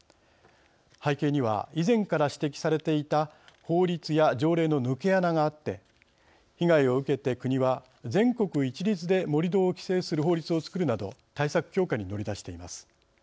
背景には以前から指摘されていた法律や条例の抜け穴があって被害を受けて国は、全国一律で盛り土を規制する法律を作るなど対策強化に乗り出しています。